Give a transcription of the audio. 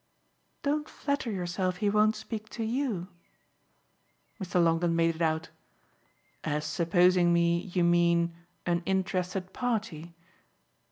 "Don't flatter yourself he won't speak to YOU!" Mr. Longdon made it out. "As supposing me, you mean, an interested party?"